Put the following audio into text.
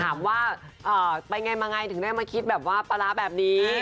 ถามว่าไปไงมาไงถึงได้มาคิดแบบว่าปลาร้าแบบนี้